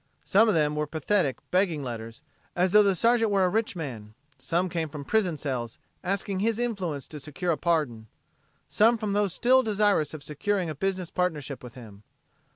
Some of them were pathetic begging letters, as tho the Sergeant were a rich man; some came from prison cells, asking his influence to secure a pardon; some from those still desirous of securing a business partnership with him.